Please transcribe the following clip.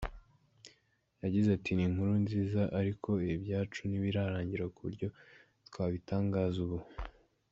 Yagize ati “Ni inkuru nziza ariko ibyacu ntibirarangira ku buryo twabitangaza ubu.